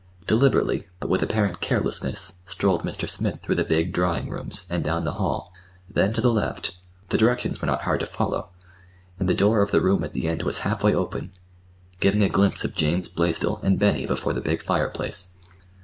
Deliberately, but with apparent carelessness, strolled Mr. Smith through the big drawing rooms, and down the hall. Then to the left—the directions were not hard to follow, and the door of the room at the end was halfway open, giving a glimpse of James Blaisdell and Benny before the big fireplace.